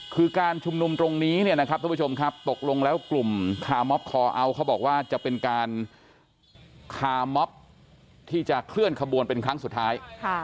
คือการชุมนุมตรงนี้เนี่ยนะครับท่านผู้ชมครับตกลงแล้วกลุ่มคาร์มอบคอเอาท์เขาบอกว่าจะเป็นการคาร์มอบที่จะเคลื่อนขบวนเป็นครั้งสุดท้าย